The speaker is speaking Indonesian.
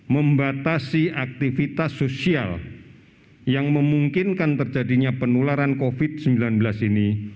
membatasi aktivitas sosial yang memungkinkan terjadinya penularan covid sembilan belas ini